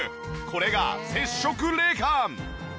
これが接触冷感！